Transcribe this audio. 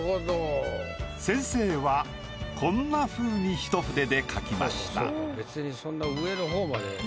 先生はこんなふうに一筆で描きました。